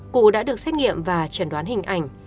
cụ đã được xét nghiệm và chẩn đoán hình ảnh